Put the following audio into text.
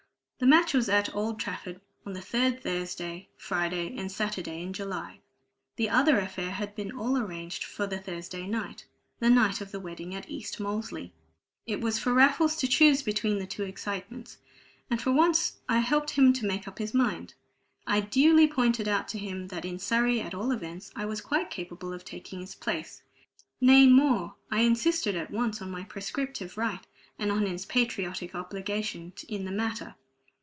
The match was at Old Trafford, on the third Thursday, Friday, and Saturday in July; the other affair had been all arranged for the Thursday night, the night of the wedding at East Molesey. It was for Raffles to choose between the two excitements, and for once I helped him to make up his mind. I duly pointed out to him that in Surrey, at all events, I was quite capable of taking his place. Nay, more, I insisted at once on my prescriptive right and on his patriotic obligation in the matter.